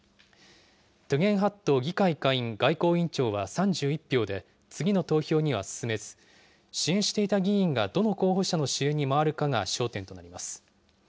トゥゲンハット議会下院外交委員長は３１票で、次の投票には進めず、支援していた議員がどの候補者の支援に回るかが焦点となります。